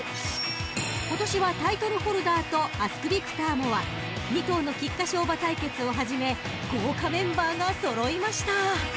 ［今年はタイトルホルダーとアスクビクターモア２頭の菊花賞馬対決をはじめ豪華メンバーが揃いました］